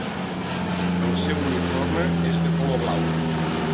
El seu uniforme és de color blau.